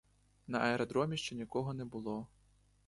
На аеродромі ще нікого не було.